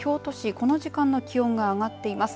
この時間の気温が上がっています。